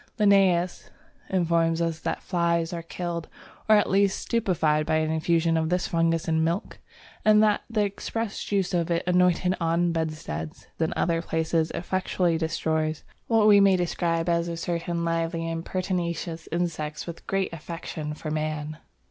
Linnæus informs us that flies are killed or at least stupefied by an infusion of this fungus in milk and that the expressed juice of it anointed on bedsteads and other places effectually destroys" what we may describe as certain lively and pertinacious insects with a great affection for man!